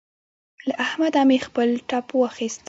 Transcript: له احمده مې خپل ټپ واخيست.